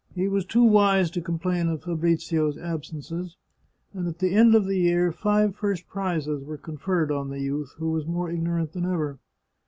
He was too wise to complain of Fabrizio's absences, and at the end of the year five first prizes were conferred on the youth, who was more ignorant than ever.